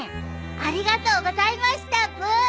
ありがとうございましたブー。